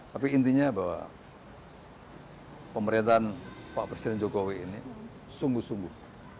tapi intinya bahwa pemerintahan pak presiden jokowi ini sungguh sungguh